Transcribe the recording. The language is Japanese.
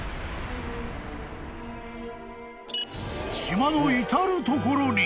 ［島の至る所に］